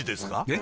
え？